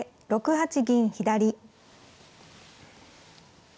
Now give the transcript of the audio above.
６八銀左。